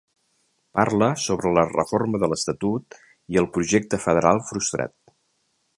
Parla sobre la reforma de l’estatut i el projecte federal frustrat.